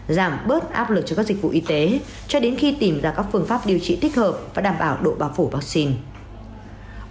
giảm bớt áp lực cho các dịch vụ y tế cho đến khi tìm ra các phương pháp điều trị thích hợp và đảm bảo độ bảo phủ vaccine